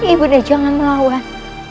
ibunda jangan melawan